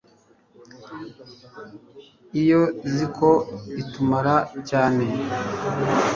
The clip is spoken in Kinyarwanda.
iyo ziko itumura cyane